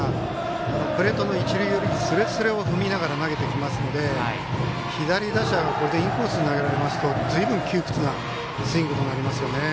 プレートの一塁寄りのすれすれを踏みながら投げてきますので左打者はインコースに投げられますとずいぶん窮屈なスイングになります。